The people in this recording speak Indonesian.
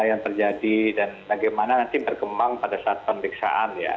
yang terjadi dan bagaimana nanti berkembang pada saat pemeriksaan ya